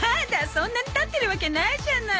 そんなに経ってるわけないじゃない